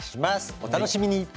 お楽しみに。